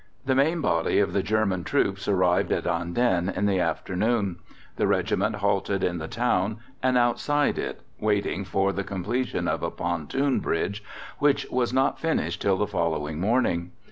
The main body of the German Troops arrived at Andenne in the afternoon. The Regiment halted in the Town and outside it, waiting for the completion of a pontoon bridge, which was not finished till the following morning.